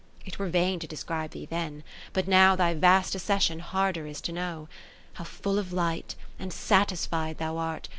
It were vain to describe thee then, but now Thy vast accession harder is to know ; How full of light, and satisfied thou art.